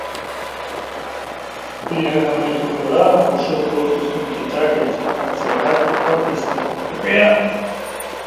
Bihar amaituko da osoko zuzenketak eta partzialak aurkezteko epea.